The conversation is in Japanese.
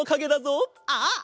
あっ！